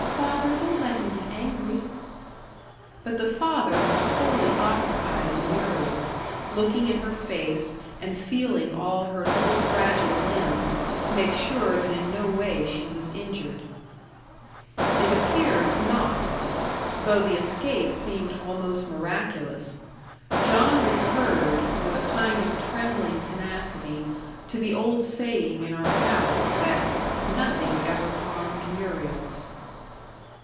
Father, don't let him be angry." But the father was wholly occupied in Muriel looking in her face, and feeling all her little fragile limbs, to make sure that in no way she was injured. It appeared not; though the escape seemed almost miraculous. John recurred, with a kind of trembling tenacity, to the old saying in our house, that "nothing ever harmed Muriel."